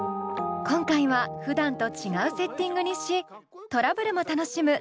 今回はふだんと違うセッティングにしトラブルも楽しむ☆